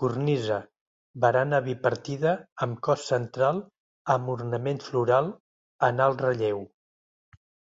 Cornisa, barana bipartida amb cos central amb ornament floral, en alt relleu.